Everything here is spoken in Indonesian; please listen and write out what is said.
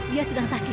dia sedang sakit